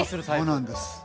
そうなんです。